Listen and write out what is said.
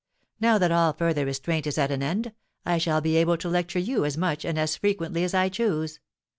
Now that all further restraint is at an end, I shall be able to lecture you as much and as frequently as I choose.